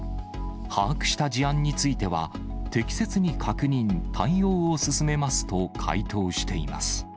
把握した事案については、適切に確認、対応を進めますと回答しています。